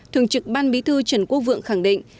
thường trực ban bí thư trần quốc vượng khẳng định